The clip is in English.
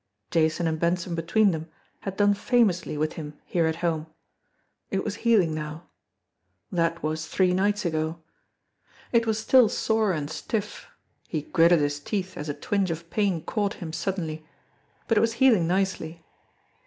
Jason and Benson between them had done famously with him here at home. It was healing now. That was three nights ago. It was still sore and stiff he gritted his teeth as a twinge of pain caught him suddenly but it was healing nicely.